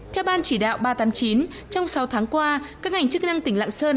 theo ban chỉ đạo ba trăm tám mươi chín trong sáu tháng qua các ngành chức năng tỉnh lạng sơn